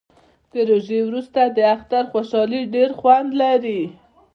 د روژې وروسته د اختر خوشحالي ډیر خوند لري